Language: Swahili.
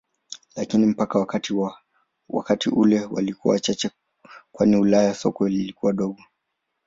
Lakini mpaka wakati ule walikuwa wachache kwani Ulaya soko lilikuwa dogo.